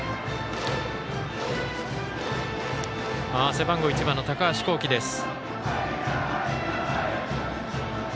背番号１番の高橋煌稀です。